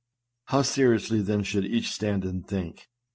How seriously, then, should each stand and think.